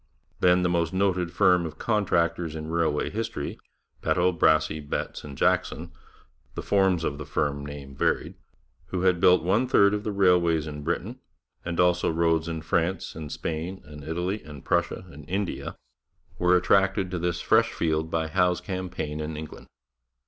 Then the most noted firm of contractors in railway history, Peto, Brassey, Betts and Jackson (the forms of the firm name varied), who had built one third of the railways of Britain, and also roads in France and Spain and Italy and Prussia and India, were attracted to this fresh field by Howe's campaign in England.